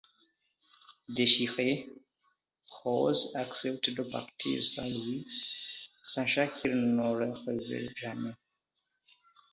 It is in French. Déchirée, Rose accepte de partir sans lui, sachant qu'elle ne le reverra jamais.